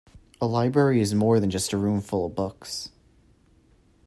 A library is more than just a room full of books